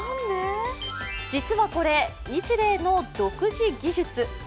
実はこれ、ニチレイの独自技術。